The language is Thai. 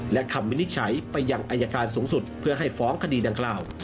และคำวินิจฉัยไปยังอายการสูงสุดเพื่อให้ฟ้องคดีดังกล่าว